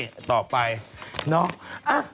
อยู่ที่นี่ต่อไป